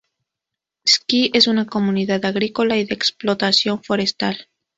Ski es una comunidad agrícola y de explotación forestal.